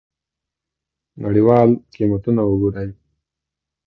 نړیوال قیمتونه وګورئ.